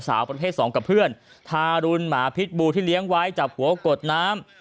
สาวประเภทสองกับเพื่อนทารุณหมาพิษบูที่เลี้ยงไว้จับหัวกดน้ำ